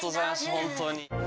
本当に。